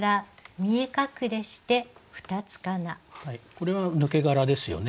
これは抜け殻ですよね。